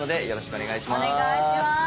お願いします。